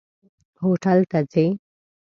هوټل ته ځئ؟